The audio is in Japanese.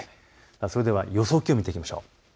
それでは予想気温を見ていきましょう。